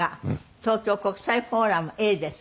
東京国際フォーラムＡです。